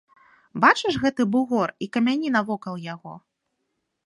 Бачыш гэты бугор і камяні навокал яго?